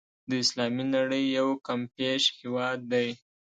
د اسلامي نړۍ یو کمپېښ هېواد دی.